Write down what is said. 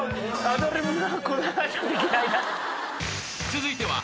［続いては］